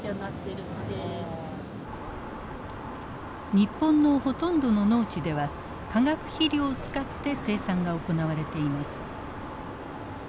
日本のほとんどの農地では化学肥料を使って生産が行われています。